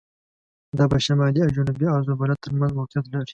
دا په شمالي او جنوبي عرض البلد تر منځ موقعیت لري.